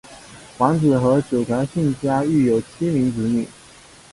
完子和九条幸家育有七名子女。